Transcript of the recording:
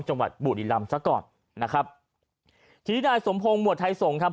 จังหวัดบุฎีรัมน์ซะก่อนนะครับที่นายสมพงศ์หมวดไทยส่งครับ